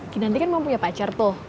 kinanti kan mau punya pacar tuh